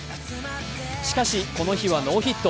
しかし、この日はノーヒット。